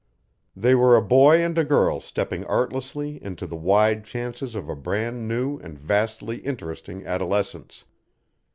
They were a boy and a girl stepping artlessly into the wide chances of a brand new and vastly interesting adolescence.